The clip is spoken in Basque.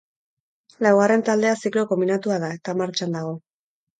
Laugarren taldea ziklo konbinatua da, eta martxan dago.